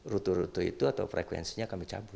rute rute itu atau frekuensinya akan dicabut